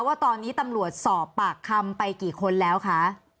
ว่าตอนนี้ตำรวจสอบปากคำไปกี่คนแล้วคะ